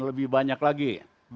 lebih banyak lagi